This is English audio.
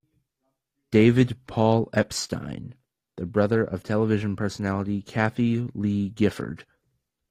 David Paul Epstein, the brother of television personality Kathie Lee Gifford.